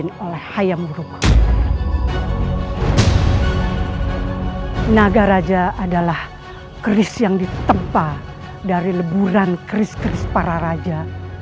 naga raja adalah keris yang ditempa dari leburan keris kris para raja